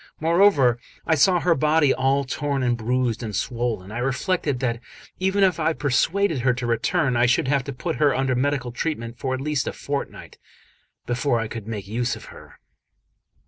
Moreover, when I saw her body all torn and bruised and swollen, I reflected that, even if I persuaded her to return, I should have to put her under medical treatment for at least a fortnight before I could make use of her.